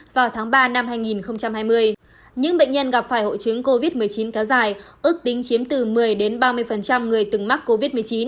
vào tháng ba năm hai nghìn hai mươi những bệnh nhân gặp phải hội chứng covid một mươi chín kéo dài ước tính chiếm từ một mươi ba mươi người từng mắc covid một mươi chín